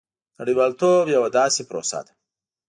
• نړیوالتوب یوه داسې پروسه ده.